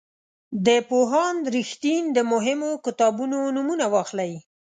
د پوهاند رښتین د مهمو کتابونو نومونه واخلئ.